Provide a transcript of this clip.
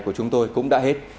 của chúng tôi cũng đã hết